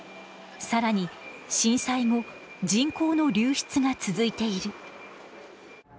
更に震災後人口の流出が続いている。